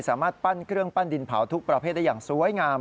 สามารถปั้นเครื่องปั้นดินเผาทุกประเภทได้อย่างสวยงาม